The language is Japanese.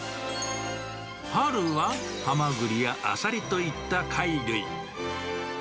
春はハマグリやアサリといった貝類。